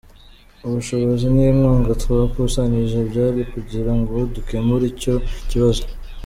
Ubushobozi n’inkunga twakusanyije byari ukugira ngo dukemure icyo kibazo.